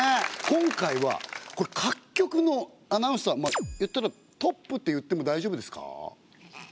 今回はこれ各局のアナウンサーいったらトップって言っても大丈夫ですか？